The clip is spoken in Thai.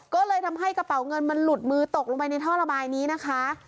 ก็เลยทำให้กระเป๋าเงินมันหลุดมือตกลงไปในท่อระบายนี้นะคะ